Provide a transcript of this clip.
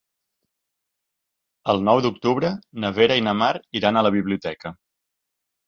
El nou d'octubre na Vera i na Mar iran a la biblioteca.